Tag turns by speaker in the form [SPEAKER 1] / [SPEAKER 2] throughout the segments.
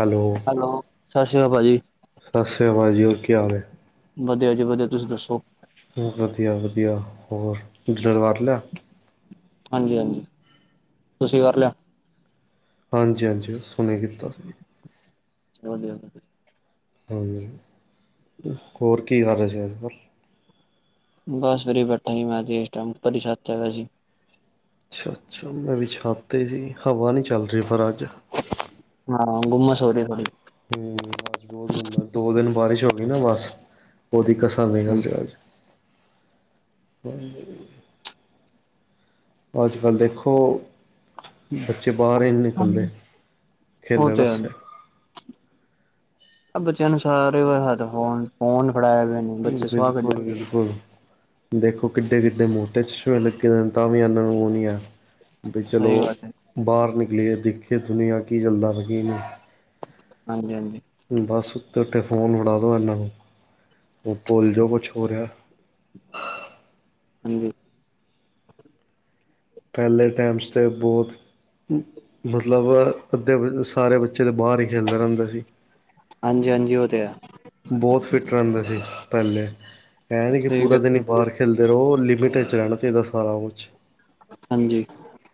[SPEAKER 1] Hello.
[SPEAKER 2] ਲੋ ਸਤਿ ਸ਼੍ਰੀ ਅਕਾਲ ਭਾਜੀ।
[SPEAKER 1] ਸਤਿ ਸ਼੍ਰੀ ਅਕਾਲ ਜੀ ਹੋਰਿਆ ਹਾਲ ਹੈ?
[SPEAKER 2] ਵਧੀਆ ਜੀ ਵਧੀਆ ਤੁਸੀਂ ਦੱਸੋ?
[SPEAKER 1] ਵਧੀਆ ਵਧੀਆ ਹੋਰ [unintelligible] ਲਿਆ।
[SPEAKER 2] ਹਾਂਜੀ-ਹਾਂਜੀ ਤੁਸੀਂ ਕਰ ਲਿਆ।
[SPEAKER 1] ਹਾਂਜੀ-ਹਾਂਜੀ ਹੁਣੇ ਕੀਤਾ।
[SPEAKER 2] [unintelligible]
[SPEAKER 1] ਹਾਂਜੀ ਹੋਰ ਕਈ ਹਾਲ ਹੈ ਸ਼ਹਿਰ ਦਾ।
[SPEAKER 2] ਬਸ ਵੀਰੇ ਬੈਠਾ ਸੀ ਮੈਂ ਤੇ ਇਸ ਟਾਈਮ ਉੱਪਰਲੀ ਛੱਤ ਚ ਹੈਗਾ ਸੀ।
[SPEAKER 1] ਅੱਛਾ-ਅੱਛਾ ਮੈਂ ਵੀ ਛੱਤ ਤੇ ਸੀ ਹਵਾ ਨਹੀਂ ਚੱਲ ਰਹੀ ਪਰ ਅੱਜ।
[SPEAKER 2] ਹਾਂ ਗੁੰਮਸ ਹੋ ਰਹੀ ਬੜੀ।
[SPEAKER 1] ਹੂ ਬਹੁਤ ਗੁਮਸ ਦੋ ਦਿਨ ਬਾਰਿਸ਼ ਹੋ ਗਈ ਨਾ ਬਸ ਉਹਦੀ ਕਸਰ ਨਿਕਲ ਗੀ ਅਜ। [unintelligible] ਅੱਜ ਕੱਲ੍ਹ ਦੇਖੋ ਬੱਚੇ ਬਾਹਰ ਹੀ ਨ ਨਿਕਲਦੇ
[SPEAKER 2] ਹਾਂਜੀ ਉਹ
[SPEAKER 1] ਖੇਲਨ
[SPEAKER 2] ਤੇ ਹੈ
[SPEAKER 1] ਆਸੇ।
[SPEAKER 2] ਆ ਬੱਚਿਆਂ ਨੂੰ ਸਾਰੇ ਹੋ ਫੋਨ, ਫੋਨ ਫੜਾਇਆ ਦੇ ਨੇ। ਬੱਚੇ ਸੁਆਹ ਕੱਢਣਗੇ
[SPEAKER 1] ਬਿਲਕੁਲ-ਬਿਲਕੁਲ। ਦੇਖੋ ਕਿੱਡੇ-ਕਿੱਡੇ ਮੋਟੇ ਚਸ਼ਮੇ ਲੱਗੇ ਤਾਂ ਵੀ ਇਹਨਾਂ ਨੂੰ ਉਹ ਨੀ ਹੈ। ਵੀ ਚਲੋ
[SPEAKER 2] ਸਹੀ ਗੱਲ ਹੈ
[SPEAKER 1] ਬਾਹਰ ਨਿਕਲੀਏ ਦੇਖੀਏ ਦੁਨੀਆ ਕੀ ਚਲਦਾ ਪਿਆ ਕੀ ਨੀ।
[SPEAKER 2] ਹਾਂਜੀ-ਹਾਂਜੀ।
[SPEAKER 1] ਬਸ ਸੁੱਤੇ ਉੱਠੇ ਫੋਨ ਫੜਾ ਦੋ ਇਹਨਾਂ ਨੂੰ। ਉਹ ਪੋਲ ਜੋ ਕੁਛ ਹੋ ਰਿਹਾ।
[SPEAKER 2] ਹਾਂਜੀ।
[SPEAKER 1] ਪਹਿਲੇ ਟਾਈਮ ਚ ਤੇ ਬਹੁਤ ਮਤਲਬ ਅੱਧੇ ਸਾਰੇ ਬੱਚੇ ਤਾਂ ਬਾਹਰ ਹੀ ਖੇਲਦੇ ਰਹਿੰਦੇ ਸੀ।
[SPEAKER 2] ਹਾਂਜੀ-ਹਾਂਜੀ ਉਹ ਤੇ ਹੈ।
[SPEAKER 1] ਬਹੁਤ ਫਿੱਟ ਰਹਿੰਦੇ ਸੀ ਪਹਿਲੇ। ਏਹ ਨੀ ਕਿ
[SPEAKER 2] ਸਹੀ
[SPEAKER 1] ਪੂਰਾ
[SPEAKER 2] ਗੱਲ
[SPEAKER 1] ਦਿਨ ਹੀ
[SPEAKER 2] ਹੈ।
[SPEAKER 1] ਬਾਹਰ ਖੇਲਦੇ ਰਹੋ ਲਿਮਿਟ ਚ ਰਹਿਣਾ ਚਾਹੀਦਾ ਸਾਰਾ ਕੁਛ।
[SPEAKER 2] ਹਾਂਜੀ।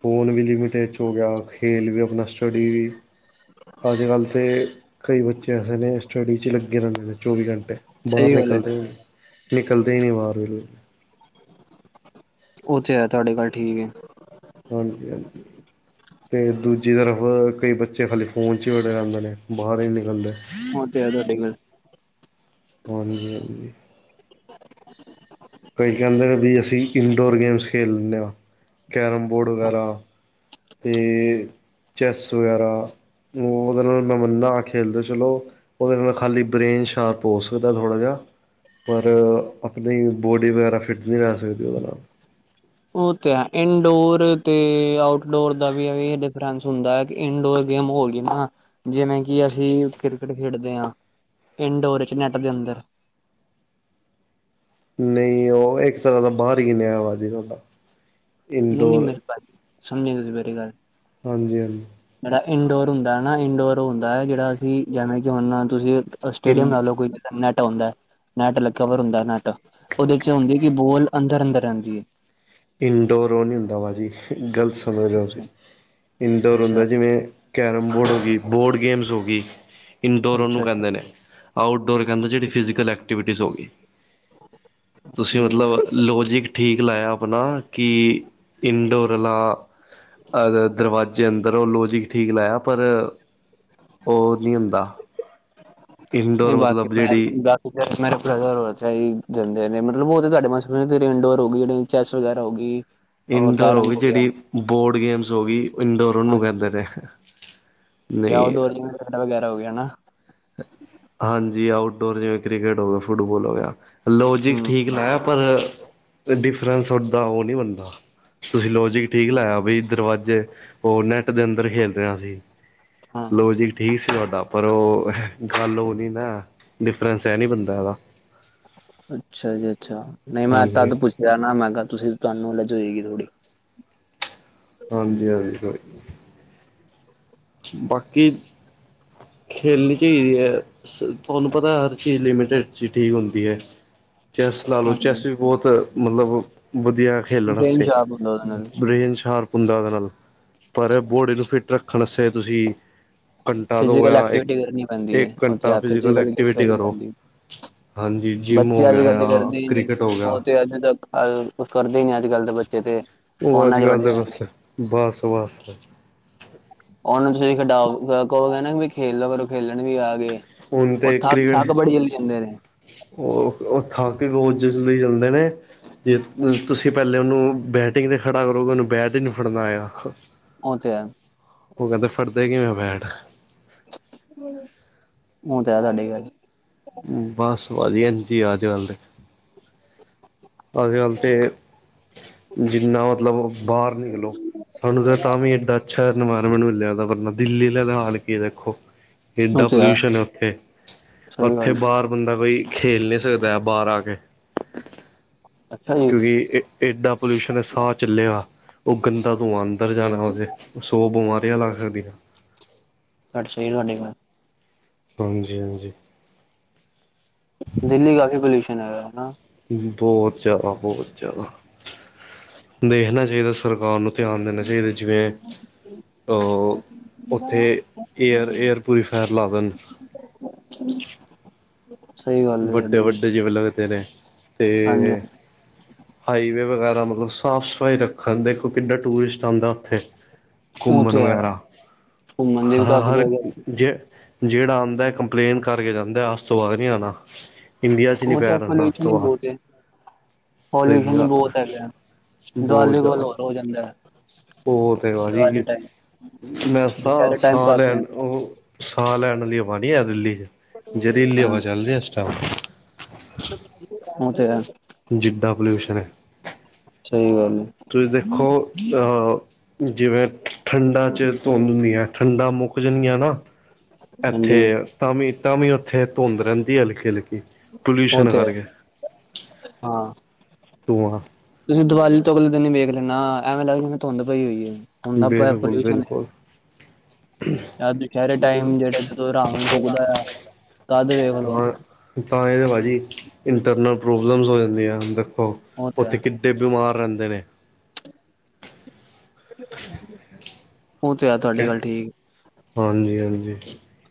[SPEAKER 1] ਫੋਨ ਵੀ ਲਿਮੀਿਟਿਡ ਚ ਹੋ ਗਿਆ ਖੇਲ ਵੀ ਆਪਨਾ ਸਟੱਡੀ ਵੀ। ਅੱਜ ਕੱਲ ਤੇ ਕਈ ਬੱਚੇ ਐਸੇ ਨੇ ਸਟੱਡੀ ਚ ਲ ਲੱਗੇ ਰਹਿੰਦੇ ਨੇ ਚੌਵੀ ਘੰਟੇ ਬਾਹਰ
[SPEAKER 2] ਸਹੀ ਗੱਲ ਹੈ
[SPEAKER 1] ਨਿਕਲਦੇ ਨਹੀ ਨਿਕਲਦੇ ਨਹੀ ਬਾਹਰ ਬਿਲ
[SPEAKER 2] ਉਹ ਤੇ ਹੈ ਤੁਹਾਡੀ ਗਲ ਠੀਕ ਹੈ।
[SPEAKER 1] ਹਾਂਜੀ-ਹਾਂਜੀ। ਤੇ ਦੂਜੀ ਤਰਫ ਕਈ ਬੱਚੇ ਖਾਲੀ ਫ਼ੋਨ ਚ ਬੜੇ ਰਹਿੰਦੇ ਰਹਦੇ ਨੇ ਬਾਹਰ ਹੀ ਨੀ ਨਿਕਲਦੇ।
[SPEAKER 2] [unintelligible]
[SPEAKER 1] ਹਾਂਜੀ-ਹਾਂਜੀ। ਕਈ ਕਹਿੰਦੇ ਨੇ ਵੀ ਅਸੀਂ ਇਨਡੋਰ ਗੇਮਸ ਖੇਲ ਲੈਨੇ ਆ ਕੈਰਮ ਬੋਰਡ ਵਗੈਰਾ। ਤੇ ਚੈੱਸ ਵਗੈਰਾ ਉਹਦੇ ਨਾਲ ਮੈਂ ਮੰਨਨਾ ਖੇਡਦੇ ਚਲੋ ਉਹਦੇ ਨਾਲ ਖਾਲੀ ਬ੍ਰੇਨ ਸ਼ਾਰਪ ਹੋ ਸਕਦਾ ਥੋੜ੍ਹਾ ਜਿਹਾ। ਪਰ ਆਪਣੀ ਬੋਡੀ ਵਗੈਰਾ ਫਿੱਟ ਨੀ ਰਹ ਸਕਦੀ ਉਹਦੇ ਨਾਲ।
[SPEAKER 2] ਉਹ ਤੇ ਹੈ ਇਨਡੋਰ ਤੇ ਆਊਟਡੋਰ ਦਾ ਵੀ ਇਹ ਡਿਫਰੈਂਸ ਹੁੰਦਾ ਹੈ। ਇਨਡੋਰ ਗੇਮ ਹੋ ਗਈ ਨਾ ਜਿਵੇਂ ਕਿ ਅਸੀਂ ਕ੍ਰਿਕਟ ਖੇਡਦੇ ਹਾਂ। ਇੰਡੋਰ ਵਿਚ ਨੈੱਟ ਦੇ ਅੰਦਰ
[SPEAKER 1] ਨਹੀਂ ਉਹ ਇੱਕ ਤਰ੍ਹਾਂ ਦਾ ਬਾਹਰ ਹੀ ਨ ਆਇਆ ਵਾਜੀ ਸਾਡਾ।
[SPEAKER 2] ਨਹੀ-ਨਹੀ [unintelligible] ਸਮਝੇ ਨੀ ਤੁਸੀਂ ਮੇਰੀ ਗੱਲ।
[SPEAKER 1] ਹਾਂਜੀ ਹਾਂਜੀ
[SPEAKER 2] ਜਿਹੜਾ ਇੰਡੋਰ ਹੁੰਦਾ ਹੈ ਨਾ ਇੰਡੋਰ ਹੁੰਦਾ ਹੈ ਜਿਹੜਾ, ਅਸੀਂ ਜਿਵੇਂ ਕਿ ਹੁਣ ਤੁਸੀਂ ਸਟੇਡੀਅਮ
[SPEAKER 1] ਇਨ
[SPEAKER 2] ਨਾਲੋਂ ਕੋਈ ਨੈਟਾ ਹੁੰਦਾ ਹੈ ਨੈਟ ਲ ਕਵਰ ਹੁੰਦਾ ਹੈ ਨੈਟ। ਉਹਦੇ ਚ ਹੁੰਦੀ ਹੈ ਕਿ ਬੋਲ ਅੰਦਰ-ਅੰਦਰ ਰਹਿੰਦੀ ਹੈ।
[SPEAKER 1] ਇਨਡੋਰ ਉਹ ਨਹੀਂ ਹੁੰਦਾ ਭਾਜੀ ਗਲਤ ਸਮਝ ਰਹੇ ਤੁਸੀ
[SPEAKER 2] ਅੱਛਾ
[SPEAKER 1] ਇਨਡੋਰ
[SPEAKER 2] ਅੱਛਾ
[SPEAKER 1] ਹੁੰਦਾ ਜੀਵੇ ਕੈਰਮ ਬੋਰਡ ਹੋ ਗਈ ਬੋਰਡ ਗੇਮਸ ਹੋ ਗੀ। ਇਨਡੋਰ ਉਹਨੂੰ
[SPEAKER 2] ਅੱਛਾ
[SPEAKER 1] ਕਹਿੰਦੇ ਨੇ, ਆਊਟਡੋਰ ਕਹਿੰਦੇ ਜਿਹੜੀ ਫਿਜੀਕਲ ਐਕਟੀਵਿਟੀਜ਼ ਹੋ ਗੀ। ਤੁਸੀਂ
[SPEAKER 2] ਅੱਛਾ
[SPEAKER 1] ਮਤਲਬ ਲੋਜਿਕ ਠੀਕ ਲਾਇਆ ਆਪਨਾ। ਕਿ ਇੰਡੋਰ ਵਾਲਾ ਦਰਵਾਜ਼ੇ ਅੰਦਰ ਉਹ ਲੋਜਿ ਠੀਕ ਲਾਇਆ ਪਰ ਉਹ ਨੀ ਹੁੰਦਾ। ਇਨਡੋਰ, ਮਤਲਬ ਜਿਹੜੀ
[SPEAKER 2] ਜਿਹੜਾ ਸਮੈਸਟਰ ਹੈਗਾ ਓ ਐਸਾ ਹੀ ਚਲਦੇ ਨੇ ਮੱਤਲਬ ਓ ਤੇ ਸਾਡੇ ਤੁਹਾਡੇ ਹੈਡ ਮਾਸਟਰ ਨੇ ਤੇਰੇ ਇੰਡੋਰ ਹੋ ਗਏ ਨੇ ਚੈਸ, ਵਗੈਰਾ ਹੋ ਗਈ। ਉਹ
[SPEAKER 1] ਇੰਡੋਰ ਹੋ
[SPEAKER 2] ਕੈਰਮ
[SPEAKER 1] ਗਈ,
[SPEAKER 2] ਗਿਆ
[SPEAKER 1] ਜਿੜੀ ਬੋਰਡ ਗੇਮਸ ਹੋ ਗਈ, ਇੰਡੋਰ ਉਹਨੂੰ ਕਹਿੰਦੇ ਨੇ।
[SPEAKER 2] ਕਿ
[SPEAKER 1] ਨਹੀਂ
[SPEAKER 2] ਡੋਰਿੰਗਗੈ ਵਗੈਰਾ, ਹੋ ਗਿਆ ਨਾ
[SPEAKER 1] ਹਾਂਜੀ, ਆਊਟਡੋਰ, ਜਿਵੇਂ ਕ੍ਰਿਕਟ, ਹੋ ਗਿਆ ਫੁੱਟਬੋਲ, ਹੋ ਗਿਆ। ਲੋੌਜਿਕ
[SPEAKER 2] ਹੂੰ
[SPEAKER 1] ਠੀਕ ਲਾਇਆ, ਪਰ ਡਿਫਰੈਂਸ ਵਧਦਾ, ਉਹ ਨਹੀਂ ਵਧਦਾ ਤੁਸੀਂ, ਲੋਜਿਕ ਠੀਕ ਲਾਇਆ, ਬਈ ਦਰਵਾਜ਼ੇ ਉਹ ਨੈੱਟ ਦੇ ਅੰਦਰ ਖੇਲਦੇ ਹਾ, ਅਸੀਂ
[SPEAKER 2] ਹਾਂ
[SPEAKER 1] ਲੋਜਿਕ, ਠੀਕ ਸੀ ਤੁਹਾਡਾ। ਪਰ ਉਹ ਹੈਲੋ ਨੀਨਾ, ਡਿਫਰੈਂਸ ਹੈ ਨਈ ਬਣਦਾ, ਏਦਾ
[SPEAKER 2] ਅੱਛਾ, ਜੀ ਅੱਛਾ, ਨਹੀਂ ਮੈਂ
[SPEAKER 1] ਹਾਂਜੀ
[SPEAKER 2] ਤਦ ਪੁੱਛਿਆ ਨਾ ਮੈਂ ਕਿਹਾ, ਤੁਸੀਂ ਤੁਹਾਨੂੰ ਨੋਲੈਜ ਹੋਏਗੀ ਥੋੜ੍ਹੀ
[SPEAKER 1] ਹਾਂਜੀ ਹਾਂਜੀ ਬਾਕੀ, ਖੇਲਣੀ ਚਾਹੀਦੀ ਏ? ਤੁਹਾਨੂੰ ਪਤਾ, ਹਰ ਚੀਜ਼ ਲਿਮਟਿਡ ਚ, ਠੀਕ ਹੁੰਦੀ ਹੈ। ਚੈੱਸ ਲਾ ਲਓ, ਚੈੱਸ
[SPEAKER 2] ਹਾਂਜੀ
[SPEAKER 1] ਵੀ ਬਹੁਤ ਮਤਲਬ ਵਧੀਆ ਖੇਲਣ
[SPEAKER 2] ਬ੍ਰੇਨ
[SPEAKER 1] ਵਾਸਤੇ,
[SPEAKER 2] ਸ਼ਾਰਪ ਹੁੰਦਾ ਉਹਦੇ ਨਾਲ
[SPEAKER 1] ਬਰੇਨ ਸ਼ਾਰਪ, ਹੁੰਦਾ ਉਹਦੇ ਨਾਲ ਪਰ ਬੋਡੀ ਨੂੰ, ਫਿੱਟ ਰੱਖਣ ਵਾਸਤੇ, ਤੁਸੀਂ ਘੰਟਾ ਦੋ
[SPEAKER 2] ਫਿਜਿਕਲ,
[SPEAKER 1] ਜਾਂ
[SPEAKER 2] ਐਕਟਿਵ
[SPEAKER 1] ਇੱਕ
[SPEAKER 2] ਵਿਟੀ ਕਰਨੀ ਪੈਂਦੀ ਹੈ,
[SPEAKER 1] ਇੱਕ ਘੰਟਾ
[SPEAKER 2] ਫਿਰ
[SPEAKER 1] ਫਿਜ਼ੀਕਲ
[SPEAKER 2] ਜਿੰਮ ਨਈ,
[SPEAKER 1] ਐਕਟੀਵਿਟੀ
[SPEAKER 2] ਕਰਨੀ
[SPEAKER 1] ਕਰੋ
[SPEAKER 2] ਪੈਂਦੀ
[SPEAKER 1] ਹਾਂਜੀ ਜਿੰਮ ਹੋ
[SPEAKER 2] ਬੱਚੇ ਅੱਜ
[SPEAKER 1] ਗਿਆ
[SPEAKER 2] ਕੱਲ
[SPEAKER 1] ਜਾਂ
[SPEAKER 2] ਕਰਦੇ ਹੀ ਨਹੀਂ
[SPEAKER 1] ਕ੍ਰਿਕਟ ਹੋ ਗਿਆ
[SPEAKER 2] ਓ ਤੇ ਏਨੇ ਤੱਕ ਕੁਛ, ਕਰਦੇ ਹੀ ਨਈ, ਅੱਜ ਕੱਲ ਦੇ ਬੱਚੇ ਤੇ
[SPEAKER 1] ਉਹ, ਅੱਜ
[SPEAKER 2] ਫੋਨਾਂ ਚ
[SPEAKER 1] ਕੱਲ
[SPEAKER 2] ਵੜੇ
[SPEAKER 1] ਦੇ,
[SPEAKER 2] ਹੋਏ ਨੇ
[SPEAKER 1] ਬਸ ਬਸ ਬਸ।
[SPEAKER 2] ਉਹਨੂੰ ਤੁਸੀਂ ਖਿਡਾਓ ਕਹੋ ਕਹਿੰਗੇ ਵੀ ਖੇਲੋ ਕਰੋ ਖੇਲਣ ਗੇ ਆ ਕੇ
[SPEAKER 1] ਹੁਣ
[SPEAKER 2] ਉਹ
[SPEAKER 1] ਤੇ
[SPEAKER 2] ਥੱਕ ਥੱਕ
[SPEAKER 1] ਕ੍ਰਿਕਟ
[SPEAKER 2] ਬੜੀ ਜਲਦੀ ਜਾਂਦੇ ਨੇ,
[SPEAKER 1] ਉਹ ਥਕ ਰੋਜੇ ਲਈ ਚਲਦੇ ਨੇ ਜੇ ਤੁਸੀਂ ਪਹਿਲੇ ਉਹਨੂੰ, ਬੈਟਿੰਗ ਤੇ ਖੜਾ ਕਰੋਗੇ, ਉਹਨੂੰ ਬੈਟ ਹੀ ਨਹੀਂ ਫੜਨਾ, ਆਏਗਾ
[SPEAKER 2] ਉਹ, ਤੇ ਹੈ।
[SPEAKER 1] ਫੜ੍ਹਦੇ, ਕਿਵੇਂ ਨੇ ਬੈਟ?
[SPEAKER 2] ਓ [inaudible]
[SPEAKER 1] ਬਸ, ਵਧੀਆ ਜੀ ਅੱਜ ਕੱਲ ਦੇ ਅੱਜ-ਕੱਲ ਤੇ ਜਿੰਨਾ ਮਤਲਬ ਬਾਹਰ ਨਾ ਨਿਕਲੋ ਸਾਨੂੰ ਤਾਂ ਤਾਂ ਵੀ ਇਡਾ ਅੱਛਾ, ਇਨਵਾਇਰਮੈਂਟ ਮਿਲਿਆ, ਦਿੱਲੀ ਵਾਲਿਆ ਦਾ ਹਾਲ ਕੀ ਦੇਖੋ
[SPEAKER 2] ਉਹ
[SPEAKER 1] ਏਨਾ
[SPEAKER 2] ਤੇ
[SPEAKER 1] ਪੋਲਿਊਸ਼ਨ, ਹੈ ਉੱਥੇ
[SPEAKER 2] ਸਹੀ
[SPEAKER 1] ਉੱਥੇ
[SPEAKER 2] ਗੱਲ
[SPEAKER 1] ਬਾਹਰ ਬੰਦਾ ਬਈ, ਖੇਲ ਨਹੀਂ ਸਕਦਾ ਬਾਹਰ ਆ ਕੇ,
[SPEAKER 2] ਅੱਛਾ ਜੀ
[SPEAKER 1] ਕਿਉਂਕਿ, ਏਡਾ ਪੋਲਿਊਸ਼ਨ ਹੈ ਸਾਹ ਚੱਲਿਆ ਉਹ, ਗੰਦਾ ਧੂੰਆ ਅੰਦਰ ਜਾਣਾ ਏ, ਉਹ ਸੌ ਬਿਮਾਰੀਆਂ ਲੱਗ ਸਕਦੀਆਂ।
[SPEAKER 2] ਤੁ ਸਰ ਵਡ [inaudible]
[SPEAKER 1] ਹਾਂਜੀ ਹਾਂਜੀ
[SPEAKER 2] ਦਿੱਲੀ, ਕਾਫ਼ੀ ਪੋਲਿਊਸ਼ਨ, ਹੈਗਾ ਨਾ
[SPEAKER 1] ਬਹੁਤ ਜ਼ਿਆਦਾ ਬਹੁਤ ਜ਼ਿਆਦਾ ਦੇਖਣਾ, ਚਾਹੀਦਾ ਸਰਕਾਰ ਨੂੰ, ਧਿਆਨ ਦੇਣਾ ਚਾਹੀਦਾ, ਜਿਵੇਂ ਤੋਂ, ਉੱਥੇ ਏਅਰ ਏਅਰ ਕੋਈ ਫੈਨ, ਲਾ ਦੇਣ
[SPEAKER 2] ਸਹੀ, ਗੱਲ ਹੈ ਤੁਹਾਡੀ ਵੀ
[SPEAKER 1] ਜੀਵੇ, ਬਲੇ ਵੇ ਤੇਰੇ
[SPEAKER 2] ਹਾਂਜੀ
[SPEAKER 1] ਹਾਈਵੇ ਵਗੈਰਾ, ਮਤਲਬ ਸਾਫ ਸਫਾਈ ਰੱਖਣ ਦੇਖੋ, ਕਿੱਨਾ ਟੂਰਿਸਟ ਆਉਂਦਾ ਫਰੈਸ਼,
[SPEAKER 2] ਉਹ
[SPEAKER 1] ਘੁੰਮਣ
[SPEAKER 2] ਤੇ ਹੈ
[SPEAKER 1] ਵਗੈਰਾ,
[SPEAKER 2] ਘੁੰਮਣ ਦੀ ਵੀ ਕਾਫ਼ੀ
[SPEAKER 1] ਹਾਂ--ਹਾਂ
[SPEAKER 2] ਜਗ੍ਹਾ
[SPEAKER 1] ਜੇ ਜਿਹੜਾ ਆਂਦਾ, ਕੰਪਲੇਨ ਕਰਕੇ ਜਾਂਦਾ, ਅਜ ਤੋਂ ਬਾਅਦ ਨੀ ਆਣਾ ਇੰਡੀਆ ਚ ਨੀ
[SPEAKER 2] ਉਹ ਤਾਂ,
[SPEAKER 1] ਪੈਰ ਰੱਖਣਾ ਅੱਜ
[SPEAKER 2] ਪੋਲਿਊਸ਼ਨ ਹੀ
[SPEAKER 1] ਤੋਂ ਬਾਅਦ
[SPEAKER 2] ਬਹੁਤ ਏ, ਔਰ
[SPEAKER 1] ਸਹੀ
[SPEAKER 2] ਗੰਦ
[SPEAKER 1] ਗੱਲ
[SPEAKER 2] ਬਹੁਤ
[SPEAKER 1] ਐ
[SPEAKER 2] ਪੈ, ਗਿਆ
[SPEAKER 1] ਬਹੁਤ
[SPEAKER 2] ਦਿਵਾਲੀ ਕੋਲ,
[SPEAKER 1] ਜ਼ਿਆਦਾ
[SPEAKER 2] ਹੋਰ ਹੋ ਜਾਂਦਾ ਏ
[SPEAKER 1] ਉਹ ਤੇ ਵਾਜੀ ਮੈਂਸਾਂ
[SPEAKER 2] ਦੁਪਹਿਰੇ ਟਾਈਮ
[SPEAKER 1] ਸਾਹ
[SPEAKER 2] ਕਾਫੀ
[SPEAKER 1] ਲੈਣ
[SPEAKER 2] ਹੁੰਦਾ
[SPEAKER 1] ਉਹ। ਸਾਹ ਲੈਣ ਲਈ ਹਵਾ ਨੀ ਏ ਦਿੱਲੀ ਚ ਜਰੀਲੀ ਹਵਾ ਚੱਲ ਰਹੀ ਇਸ ਟਾਈਮ।
[SPEAKER 2] ਓਹ ਤੇ ਹੈ।
[SPEAKER 1] ਜਿੱਡਾ ਪੋਲਿਊਸ਼ਨ ਏ।
[SPEAKER 2] ਸਹੀ ਗੱਲ ਹੈ।
[SPEAKER 1] ਤੁਸੀਂ ਦੇਖੋ ਜਿਵੇੈਂ। ਠੰਡਾ ਚ ਧੁੰਦ ਹੁੰਦੀਆਂ ਠੰਡਾ ਮੁੱਕ ਜਾਂਨ ਗੀਆਂ ਨਾ ਇੱਥੇ।
[SPEAKER 2] ਹਾਂਜੀ
[SPEAKER 1] ਤਾਂ ਵੀ ਉੱਥੇ ਧੁੰਦ ਰਹੰਦੀ ਹਲਕੀ ਹਲਕੀ।
[SPEAKER 2] ਉਹ
[SPEAKER 1] ਪੋਲਿਊਸ਼ਨ
[SPEAKER 2] ਤੇ
[SPEAKER 1] ਕਰਕੇ
[SPEAKER 2] ਹਾਂ।
[SPEAKER 1] ਤ [unintelligible]
[SPEAKER 2] ਤੁਸੀਂ ਦੀਵਾਲੀ ਤੋਂ ਅਗਲੇ ਦਿਨ ਈ ਵੇਖ ਲੈਣਾ ਐਵੇਂ ਲੱਗਦਾ ਜਿੰਵੇ ਧੁੰਦ ਪਈ ਹੋਈ ਏ। ਹੁੰਦਾ ਪਿਆ
[SPEAKER 1] ਬਿਲਕੁਲ
[SPEAKER 2] ਪੋਲਿਊਸ਼ਨ ਏ।
[SPEAKER 1] ਬਿਲਕੁਲ
[SPEAKER 2] ਇਹ ਦੁਸਹਿਰੇ
[SPEAKER 1] ਬਿਲਕੁਲ
[SPEAKER 2] ਟਾਈਮ ਜਿਹੜਾ ਜਦੋਂ ਰਾਵਣ ਫੂਕਦਾ ਆ ਤਦ ਵੇਖ ਲੋ।
[SPEAKER 1] ਇਹ ਤਾਂ ਇਹ ਪਾਜੀ ਇੰਟਰਨਲ ਪ੍ਰੋਬਲਮਸ ਹੋ ਜਾਂਦੀ ਆ ਦੇਖੋ
[SPEAKER 2] ਉਹ ਤੇ
[SPEAKER 1] ਉੱਥੇ
[SPEAKER 2] ਹੈ
[SPEAKER 1] ਕਿੱਡੇ। ਬਿਮਾਰ ਰੇਂਦੇ ਨੇ।
[SPEAKER 2] ਉਹ ਤੇ ਹੈ ਤੁਹਾਡੀ ਗੱਲ ਠੀਕ।
[SPEAKER 1] ਹਾਂਜੀ ਹਾਂਜੀ।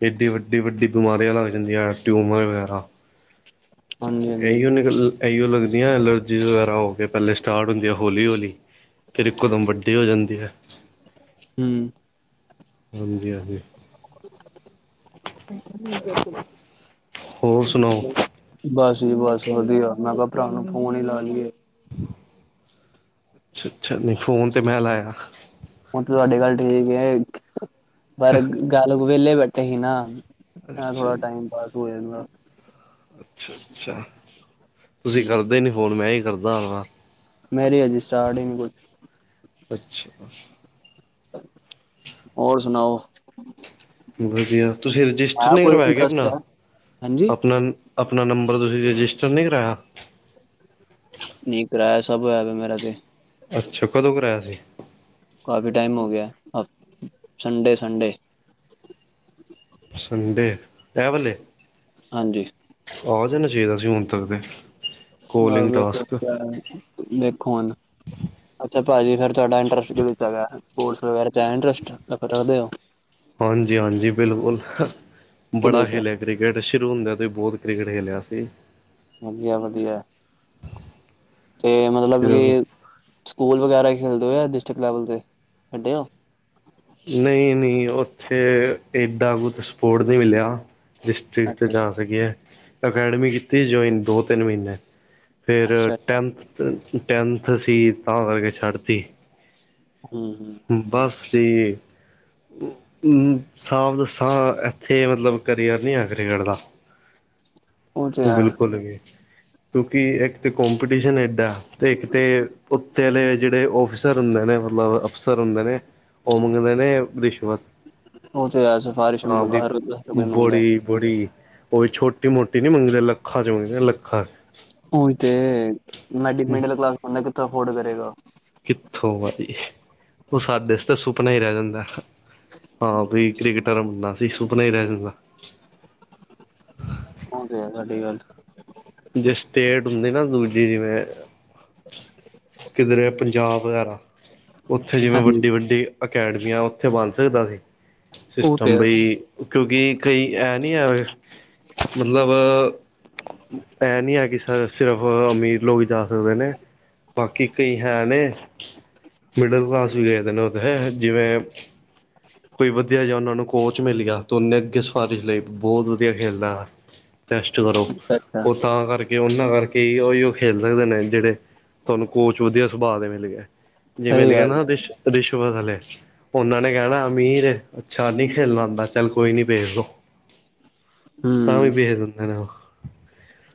[SPEAKER 1] ਏਡੀ ਵੱਡੀ ਵੱਡੀ ਬਿਮਾਰੀਆਂ ਲੱਗ ਜਾਂਦੀਆਂ ਹੈ ਟਿਊਮਰ ਵਗੈਰਾ।
[SPEAKER 2] ਹਾਂਜੀ ਹਾਂਜੀ
[SPEAKER 1] ਇਹੀਓ ਨਿਕ ਇਹੀਓ ਲੱਗਦੀਆਂ ਐਲਰਜੀ ਵਗੈਰਾ ਹੋ ਕੇ ਪਹਿਲੇ ਸਟਾਰਟ ਹੁੰਦੀਆਂ ਹੌਲੀ ਹੌਲੀ। ਫਿਰ ਇੱਕੋਦਮ ਵੱਡੀ ਹੋ ਜਾਂਦੀ ਏ।
[SPEAKER 2] ਹੁੰਮ
[SPEAKER 1] ਹਾਂਜੀ ਹਾਂਜੀ।
[SPEAKER 2] ਅ
[SPEAKER 1] ਹੋਰ ਸੁਣਾਓ?
[SPEAKER 2] [unintelligible] ਬਸ ਜੀ ਬਸ ਵਧੀਆ ਮੈਂ ਕਿਹਾ ਭਰਾ ਨੂੰ ਫੋਨ ਹੀ ਲਾ ਲਈਏ।
[SPEAKER 1] ਅੱਛਾ ਅੱਛਾ ਨਹੀਂ ਫੋਨ ਤੇ ਮੈਂ ਲਾਇਆ।
[SPEAKER 2] ਹੁਣ ਤੇ ਤੁਹਾਡੇ ਗੱਲ ਠੀਕ ਏ ਪਰ ਗੱਲ ਵੇਲੇ ਬੈਠੇ ਸੀ ਨਾ। ਐਂ
[SPEAKER 1] ਅੱਛਾ।
[SPEAKER 2] ਥੋੜਾ ਟਾਈਮ ਪਾਸ ਹੋ ਜ਼ਾਂਦਾ।
[SPEAKER 1] ਅੱਛਾ ਅੱਛਾ ਤੁਸੀਂ
[SPEAKER 2] ਹੂੰ
[SPEAKER 1] ਕਰਦੇ ਨੀ ਫੋਨ ਮੈਂ ਈ ਕਰਦਾ ਹਰ ਵਾਰ।
[SPEAKER 2] ਮੈਰੀ ਹਜੇ ਸਟਾਰਟ ਨਈ [unintelligible]
[SPEAKER 1] ਅੱਛਾ।
[SPEAKER 2] ਹੋਰ ਸੁਣਾਓ।
[SPEAKER 1] ਵਧੀਆ ਤੁਸੀਂ ਰਜਿਸਟਰ
[SPEAKER 2] ਹੈ
[SPEAKER 1] ਨਈ
[SPEAKER 2] ਕੋਈ
[SPEAKER 1] ਕਰਵਾਯਾ
[SPEAKER 2] ਇੰਟਰਸਟ
[SPEAKER 1] ਆਪਣਾ
[SPEAKER 2] ਹੈ ਹਾਂਜੀ
[SPEAKER 1] ਆਪਣਾ। ਅਪਨਾ ਨੰਬਰ ਤੁਸੀਂ ਰਜਿਸਟਰ ਨੀ ਕਰਾਇਆ।
[SPEAKER 2] ਨੀ ਕਰਾਈਆ ਸਭ ਹੋਇਆ ਮੇਰਾ ਤੇ।
[SPEAKER 1] ਅੱਛਾ ਕਦੋਂ ਕਰਾਇਆ ਸੀ
[SPEAKER 2] ਕਾਫੀ ਟਾਈਮ ਹੋ ਗਿਆ ਸੰਡੇ ਸੰਡੇ।
[SPEAKER 1] ਸੰਡੇ ਇਹ ਵਾਲੇ।
[SPEAKER 2] ਹਾਂਜੀ।
[SPEAKER 1] ਆ ਜਾਨਾ ਚਾਹੀਦਾ ਸੀ ਹੁਣ ਤੱਕ ਤੇ।
[SPEAKER 2] ਬਸ
[SPEAKER 1] ਕੋਲਿੰਗ
[SPEAKER 2] ਵੇਖੋ
[SPEAKER 1] ਟਾਸਕ
[SPEAKER 2] ਦੇਖੋ ਹੁਣ। ਅੱਛਾ ਭਾਜੀ ਫਿਰ ਤੁਹਾਡਾ ਇੰਟਰਸਟ ਕਿਹਦੇ ਚ ਹੈਗਾ ਸਪੋਰਟਸ ਵਗੈਰਾ ਚ ਹੈ ਇੰਟਰਸਟ।
[SPEAKER 1] ਹਾਂਜੀ ਹਾਂਜੀ ਬਿਲਕੁਲ ਬੜਾ
[SPEAKER 2] ਕਿਦੇ ਚ
[SPEAKER 1] ਖੇਲਿਆ ਕ੍ਰਿਕਟ ਸ਼ੁਰੂ ਹੁੰਦਿਆਂ ਤੇ ਬਹੁਤ ਕ੍ਰਿਕਟ ਖੇਲਿਆ ਸੀ
[SPEAKER 2] ਵਧੀਆ ਵਧੀਆ ਤੇ ਮਤਲਬ
[SPEAKER 1] ਸ਼ੁਰੂ
[SPEAKER 2] ਕਿ ਸਕੂਲ ਵਗੈਰਾ ਖੇਲਦੇ ਹੋ ਆ ਡਿਸਟ੍ਰਿਕਟ ਲੈਵਲ ਤੇ ਖੇਡੇ ਹੋ।
[SPEAKER 1] ਨਹੀਂ ਨਹੀਂ ਉੱਥੇ ਏਡਾ ਕੁਛ ਸਪੋਰਟ ਨਹੀਂ ਮਿਲਿਆ। ਡਿਸਟ੍ਰਿਕ
[SPEAKER 2] ਅੱਛਾ
[SPEAKER 1] ਜਾਦਾ ਇ ਏ ਅਕੈਡਮੀ ਕੀਤੀ ਸੀ ਜੁਆਇਨ ਦੋ ਤਿੰਨ ਮਹੀਨੇ। ਫਿਰ
[SPEAKER 2] ਅੱਛਾ ਅੱਛਾ
[SPEAKER 1] ਟੈਨਥ ਟੈਨਥ ਸੀ ਤਾਂ ਕਰਕੇ ਛੱਡ ਤੀ।
[SPEAKER 2] ਹਮ ਹਮ।
[SPEAKER 1] ਬਸ ਜੀ। ਸਾਫ਼ ਦੱਸਾਂ। ਇੱਥੇ ਮਤਲਬ ਕਰੀਅਰ ਨੀ ਆ ਕ੍ਰਿਕਟ ਦਾ।
[SPEAKER 2] ਉਹ ਤੇ ਹੈ
[SPEAKER 1] ਬਿਲਕੁਲ ਜੀ। ਕਿਉਂਕਿ ਇੱਕ ਤੇ ਕਪੀਟੀਸ਼ਨ ਏਡਾ। ਤੇ ਇੱਕ ਤੇ ਉੱਤੇ ਅਲੇ ਜਿਹੜੇ ਊਫਿਸਰ ਹੁੰਦੇ ਨੇ, ਮਤਲਬ ਊਅਫਸਰ ਹੁੰਦੇ ਨੇ। ਉਹ ਮੰਗਦੇ ਨੇ ਰਿਸ਼ਵਤ।
[SPEAKER 2] ਉਹ ਤੇ ਹੈ ਸਿਫਾਰਿਸ਼
[SPEAKER 1] ਹਾਂ,
[SPEAKER 2] ਮੰਗਦੇ
[SPEAKER 1] ਵੀ
[SPEAKER 2] ਹਰ ਕੋਈ ਮੰਗਦਾ
[SPEAKER 1] ਬੋੜੀ ਬੜੀ ਉਈ ਛੋਟੀ- ਮੋਟੀ ਨੀ ਮੰਗਦੇ ਲੱਖਾਂ ਚਗਦੇ ਲੱਖਾਂ।
[SPEAKER 2] ਹੁਣ ਤੇ।
[SPEAKER 1] ਚ
[SPEAKER 2] ਮਿਡਲ ਕਲਾਸ ਬੰਦਾ ਕਿੱਥੋਂ ਅਫੋਰਡ ਕਰੇਗਾ।
[SPEAKER 1] ਕਿੱਥੋਂ ਆ ਜੀ। ਉਹ ਸਾਡੇ ਸੁਪਨਾ ਹੀ ਰਹਿ ਜਾਂਦਾ। ਹਾਂ। ਵੀਈ ਕ੍ਰਿਕਟਰ ਬਣਨਾ ਸੀ ਸੁਪਨਾ ਹੀ ਰਹਿ ਜਾਂਦਾ।
[SPEAKER 2] ੳਹ ਤੇ ਹੇ ਸਾਡੀ ਗੱਲ।
[SPEAKER 1] ਜੇ ਸਟੇਟ ਹੁੰਦੀ ਨਾ ਦੂਜੀ ਜਿਵੇਂ ਕਿਧਰੇ ਪੰਜਾਬ ਵਗੈਰਾ। ਉੱਥੇ ਜਿਵੇਂ
[SPEAKER 2] ਹਾਂਜੀ
[SPEAKER 1] ਵੱਡੀ- ਵੱਡੀ ਅਕੈਡਮੀਆਂ ਉੱਥੇ ਬਣ ਸਕਦਾ ਸੀ।
[SPEAKER 2] ਉਹ ਤੇ
[SPEAKER 1] ਸਿਸਟਮ
[SPEAKER 2] ਹੈ
[SPEAKER 1] ਬਈ ਕਿਉਂਕਿ ਕਈ ਐ ਨਹੀਂ ਹੈ। ਮਤਲਬ ਇਹ ਨੀ ਹੈ ਕਿ ਸਰ ਸਿਰਫ਼ ਅਮੀਰ ਲੋਕ ਜਾ ਸਕਦੇ ਨੇ। ਬਾਕੀ ਕਈ ਹੈ ਨੇ। ਮਿਡਲ ਕਲਾਸ ਵੀ ਗਏਦੇ ਨੇ ਉਹਦੇ ਜਿਵੇਂ ਕੋਈ ਵਧੀਆ ਜਿਹਾ ਉਹਨਾਂ ਨੂੰ ਕੋਚ ਮਿਲ ਗਿਆ। ਤਾਂ ਉਹਨੇ ਅੱਗੇ ਸਿਫਾਰਸ਼ ਲਈ ਬਹੁਤ ਵਧੀਆ ਖੇਲਦਾ ਹੈ। ਟੈਸਟ ਕਰੋ।
[SPEAKER 2] ਅੱਛਾ ਅੱਛਾ
[SPEAKER 1] ਉਹ ਤਾਂ ਕਰਕੇ ਉਹਨਾਂ ਕਰਕੇ ਹੀ ਉਹੀ ਉਹ ਖੇਲ ਸਕਦੇ ਨੇ ਜਿਹੜੇ ਤੁਹਾਨੂੰ ਕੋਚ ਵਧੀਆ ਸੁਭਾਅ ਦੇ ਮਿਲ ਗਏ। ਜੇ
[SPEAKER 2] ਸਹੀ
[SPEAKER 1] ਮਿਲ ਗਿਆ
[SPEAKER 2] ਗੱਲ
[SPEAKER 1] ਨਾ। ਰਿਸ਼- ਰਿਸ਼ਵਤ ਵਾਲੇ ਉਹਨਾਂ ਨੇ ਕਹਿਣਾ। ਅਮੀਰ, ਅੱਛਾ ਨਹੀਂ ਖੇਲਣਾ ਆਉੰਦਾ ਚੱਲ ਕੋਈ ਨੀ ਵੇਖ ਲੋੋ। ਤਾਂ
[SPEAKER 2] ਹੂੰ
[SPEAKER 1] ਵੀ ਭੇਜ ਦਿੰਦੇ ਨੇ ਉਹ।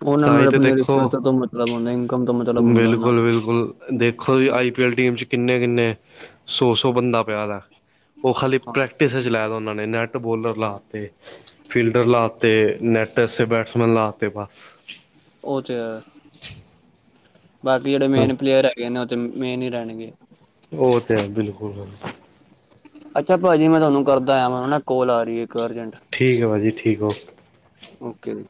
[SPEAKER 2] ਉਹਨਾਂ
[SPEAKER 1] ਤਾਂ
[SPEAKER 2] ਨੂੰ
[SPEAKER 1] ਹੀ ਤੇ
[SPEAKER 2] ਆਪਣੀ
[SPEAKER 1] ਦੇਖੋ
[SPEAKER 2] ਰਿਸ਼ਵਤਾਂ ਤੋਂ ਮਤਲਬ ਹੁੰਦਾ ਇਨਕਮ ਤੋਂ ਮਤਲਬ ਹੁੰਦਾ। ਉਹਨਾਂ
[SPEAKER 1] ਬਿਲਕੁਲ
[SPEAKER 2] ਨੂੰ
[SPEAKER 1] ਬਿਲਕੁਲ ਦੇਖੋ ਜੀ, ਆਈ ਪੀ ਐੱਲ ਟੀਮ 'ਚ ਕਿੰਨੇ ਕਿੰਨੇ ਸੌ -ਸੌ ਬੰਦਾ ਪਿਆ ਦਾ। ਉਹ ਖਾਲੀ
[SPEAKER 2] ਹਾਂ
[SPEAKER 1] ਪ੍ਰੈਕਟਿਸ ਚ' ਲੈ ਦਾ ਉਹਨਾਂ ਨੇ ਨੈਟ ਬੋਲਰ ਲਾ ਤੇ। ਫੀਲਡਰ ਲਾਤੇ, ਨੈਟੈਸ ਬੈਟਸਮੈਨ ਲਾਤੇ, ਬਸ।
[SPEAKER 2] ਉਹ ਤੇ। ਬਾਕੀ ਜਿਹੜੇ ਮੇਨ ਪਲੇਅਰ ਹੈਗੇ ਨੇ। ਉਹਥੇ ਮੇਨ ਹੀ ਰਹਿਣਗੇ।
[SPEAKER 1] ਉਹ ਤੇ ਬਿਲਕੁਲ- ਬਿਲਕੁਲ
[SPEAKER 2] ਅੱਛਾ ਭਾਜੀ। ਮੈਂ ਤੁਹਾਨੂੰ ਕਰਦਾ ਆ ਕੋਲ ਆ ਰਹੀ ਹੈ ਇੱਕ ਅਰਜੈਂਟ।
[SPEAKER 1] ਠੀਕ ਹੈ ਭਾਜੀ ਠੀਕ ਉਹ।
[SPEAKER 2] ਓਕੇ ਜੀ,